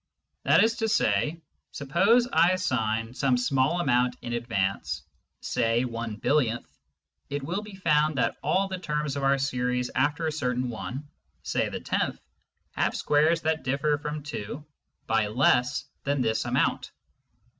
That is to say, suppose I assign some small amount in advance, say one billionth, it will be found that all the terms of our series after a certain one, say the tenth, have squares that differ from 2 by less than this amount.